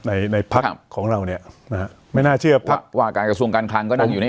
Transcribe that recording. ในในพักของเราเนี่ยนะฮะไม่น่าเชื่อพักว่าการกระทรวงการคลังก็นั่งอยู่นี่